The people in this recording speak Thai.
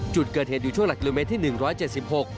จุดเกิดเหตุอยู่ช่วงหลักกิโลเมตรที่๑๗๖